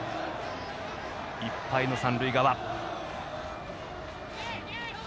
いっぱいの三塁側。